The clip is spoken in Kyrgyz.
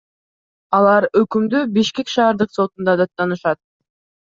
Алар өкүмдү Бишкек шаардык сотунда даттанышат.